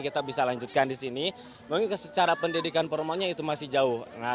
kita bisa lanjutkan disini mungkin secara pendidikan formalnya itu masih jauh nah dikarenakan tetep kita